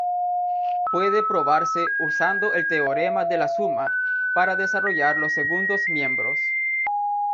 Puede probarse usando el teorema de la suma para desarrollar los segundos miembros.